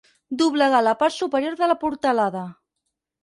Doblegar la part superior de la portalada.